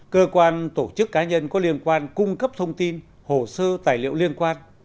cơ quan tổ chức cá nhân có liên quan cung cấp thông tin hồ sơ tài liệu liên quan